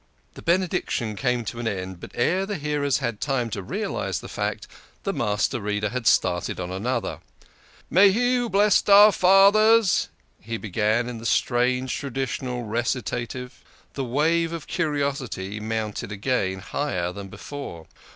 The Benediction came to an end, but ere the hearers had time to realise the fact, the Master Reader had started on another. " May He who blessed our fathers !" he began, THE KING OF SCHNORRERS. 131 in the strange traditional recitative. The wave of curiosity mounted again, higher than before.